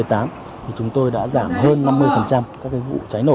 thì chúng tôi đã giảm hơn năm mươi các vụ cháy nổ